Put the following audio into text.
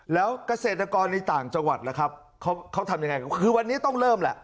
แล้วเกษตรกรในต่างจังหวัดล่ะครับเขาทำยังไงก็คือวันนี้ต้องเริ่มแหละ